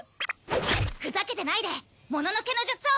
ふざけてないでもののけの術を見せてみろ！